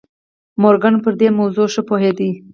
مورګان پر دې موضوع ښه پوهېده.